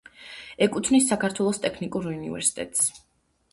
ეკუთვნის საქართველოს ტექნიკურ უნივერსიტეტს.